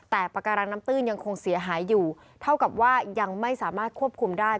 แต่ปากการังน้ำตื้นยังคงเสียหายอยู่เท่ากับว่ายังไม่สามารถควบคุมได้